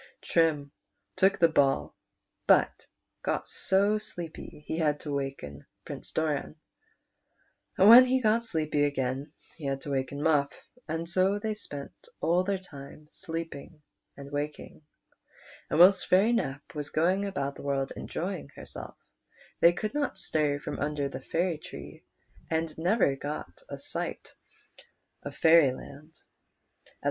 Trim took the ball, but he got so sleepy that he had to waken Prince Doran ; and when he got sleepy again, he had to waken Muft, and so the}' spent all their time sleeping and wakening; and whilst Fairy Nap was going about the world enjoying herself, they could not stir from under the fairy tree, and never got a sight of 'Nap showed him liow he wa^ lu put a.